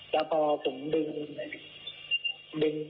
แล้วพอผมดึงดึง